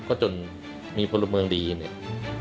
ก็จนมีพลเมืองดีเนี่ย